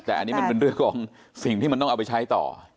แต่อันนี้มันเป็นเรื่องของสิ่งที่มันต้องเอาไปใช้ต่อ